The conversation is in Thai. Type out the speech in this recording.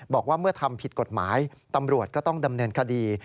บอกว่าเมื่อทำผิดกฎหมายตำรวจก็ต้องดำเนินคดี